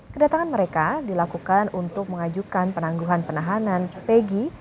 kedatangan mereka dilakukan untuk mengajukan penangguhan penahanan pegi